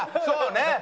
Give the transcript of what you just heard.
そうね。